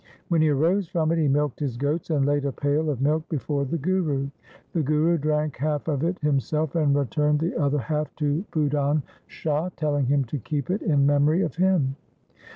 When he arose from it, he milked his goats and laid a pail of milk before the Guru. The Guru drank half of it himself and returned the other half to Budhan Shah, telling him to keep it in memory of him.